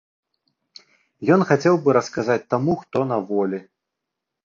Ён хацеў бы расказаць таму, хто на волі.